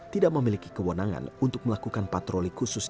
tidak memiliki kewenangan untuk melakukan patroli khusus